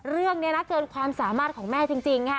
เรื่องนี้นะเกินความสามารถของแม่จริงค่ะ